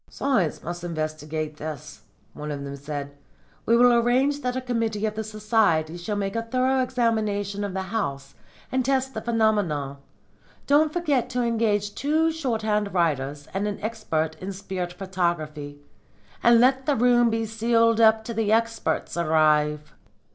'Science must investigate this,' one of them said. 'We will arrange that a committee of the Society shall make a thorough examination of the house and test the phenomena. Don't forget to engage two shorthand writers and an expert in spirit photography. And let the room be sealed up till the experts arrive.'